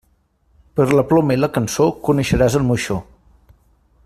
Per la ploma i la cançó coneixeràs el moixó.